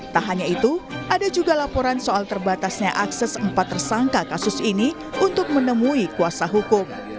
tak hanya itu ada juga laporan soal terbatasnya akses empat tersangka kasus ini untuk menemui kuasa hukum